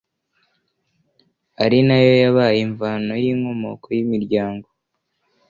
ari na yo yabaye imvano y’inkomoko y’imiryango